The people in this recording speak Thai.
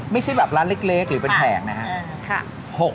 ไม่ใช่แบบร้านเล็กหรือเป็นแผงนะครับ